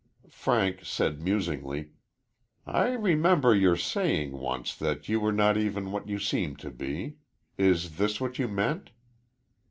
Frank said musingly: "I remember your saying once that you were not even what you seemed to be. Is this what you meant?"